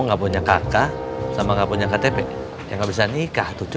raja itu kak kak apa masalahnya everything's unfortunate